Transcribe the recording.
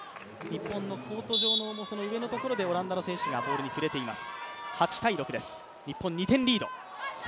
日本のコート上の上のところでオランダの選手がボールに触れています。